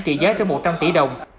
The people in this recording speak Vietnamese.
trị giá cho một trăm linh tỷ đồng